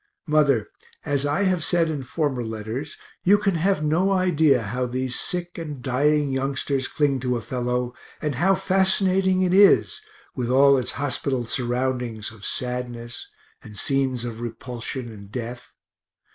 Mother, as I have said in former letters, you can have no idea how these sick and dying youngsters cling to a fellow, and how fascinating it is, with all its hospital surroundings of sadness and scenes of repulsion and death.